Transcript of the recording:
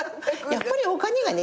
「やっぱりお金がね